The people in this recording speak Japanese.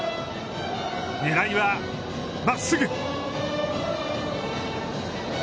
狙いは真っすぐ。